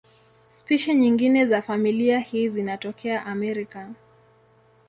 Spishi nyingine za familia hii zinatokea Amerika.